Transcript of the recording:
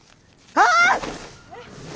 あっ！